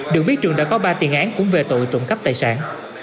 được biết trường đã có ba tiền án cũng về tội trộm cắp tài sản